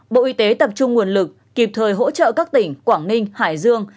bộ y tế tập trung nguồn lực kịp thời hỗ trợ các tỉnh quảng ninh hải dương